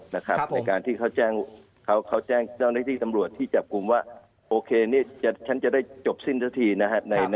ในการที่เขาแจ้งเจ้าหน้าที่ตำรวจที่จับกลุ่มว่าโอเคนี่ฉันจะได้จบสิ้นสักทีนะครับ